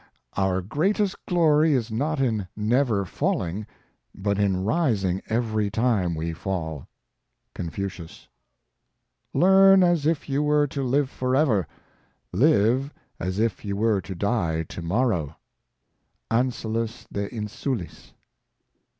" Our greatest glory is not in never falling, but in rising every time we fall." Confucius. " Learn as if you were to live forever ; live as if you were to die to morrow.'' Ansalus de Insulis.